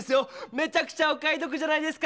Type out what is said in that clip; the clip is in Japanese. めちゃくちゃお買いどくじゃないですか！